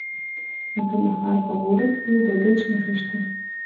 د کندهار په غورک کې د ګچ نښې شته.